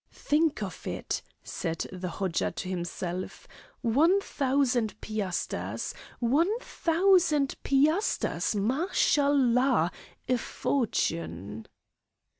"Think of it," said the Hodja to himself, "one thousand piasters! One thousand piasters! Mashallah! a fortune."